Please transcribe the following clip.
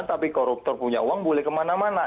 tapi koruptor punya uang boleh kemana mana